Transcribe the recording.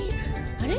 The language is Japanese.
あれ？